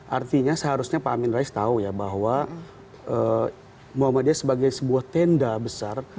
artinya seharusnya pak amin rais tahu ya bahwa muhammadiyah sebagai sebuah tenda besar